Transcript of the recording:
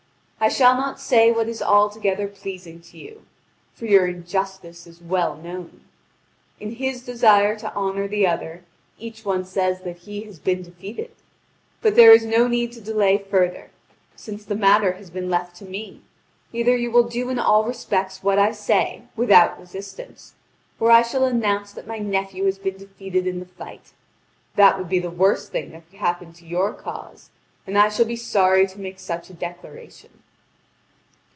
I shall not say what is altogether pleasing to you; for your injustice is well known. In his desire to honour the other, each one says that he has been defeated. But there is no need to delay further: since the matter has been left to me, either you will do in all respects what I say, without resistance, or I shall announce that my nephew has been defeated in the fight. That would be the worst thing that could happen to your cause, and I shall be sorry to make such a declaration."